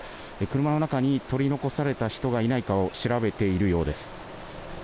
車の中に取り残された人がいないかを調べているようです。